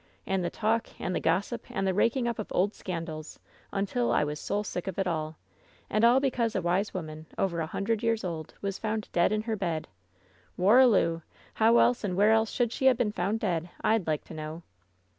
And the talk, and the gossip, and the raking up of old scandals, until I was soul sick of it all. And all because LOVE'S BITTEREST CUP «96 a wise woman, over a hundred years old, was found dead in her bed. Warraloo 1 How else and where else should she ha' been found dead, Fd like to know